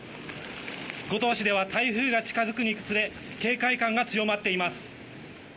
五島市では台風が近づくにつれ警戒感が強まっています。